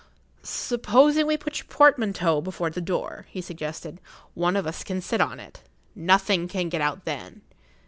"Supposing we put your portmanteau before the door," he suggested. "One of us can sit on it. Nothing can get out then.